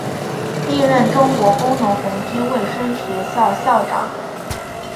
历任中国工农红军卫生学校校长。